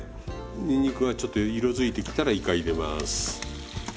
にんにくがちょっと色づいてきたらいか入れます。